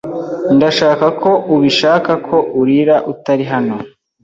Ndashaka ko ubishaka, ko urira utari hano